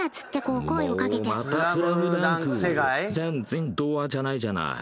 「全然童話じゃないじゃない。